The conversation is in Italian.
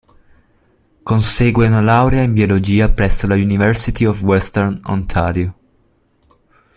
Consegue una laurea in biologia presso la University of Western Ontario.